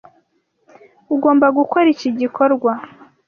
Ugomba gukora iki gikorwa.